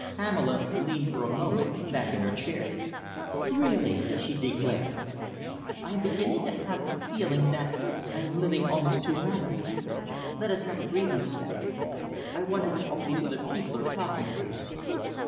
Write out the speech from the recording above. Pamela leaned for a moment back in her chair. "Really," she declared, "I am beginning to have the feeling that I am living almost too rapidly. Let us have a breathing spell. I wonder what all these other people are talking about."